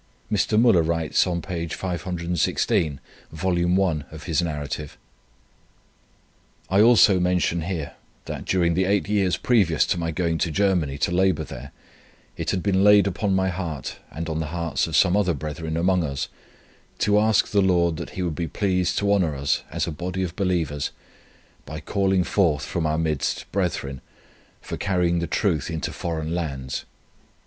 Mr. Müller writes on p. 516, Vol. I. of his Narrative: "I also mention here, that during the eight years previous to my going to Germany to labour there, it had been laid on my heart, and on the hearts of some other brethren among us, to ask the Lord that he would be pleased to honour us, as a body of believers, by calling forth from our midst brethren, for carrying the truth into foreign lands.